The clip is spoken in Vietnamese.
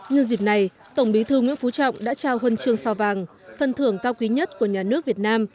nhân dịp này tổng bí thư nguyễn phú trọng đã trao huân trường sao vàng phần thưởng cao quý nhất của nhà nước việt nam